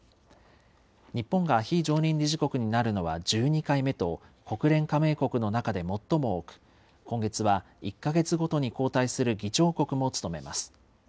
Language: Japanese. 日本が非常任理事国になるのは１２回目と、国連加盟国の中で最も多く、今月は１か月ごとに交代する議長国も務めます。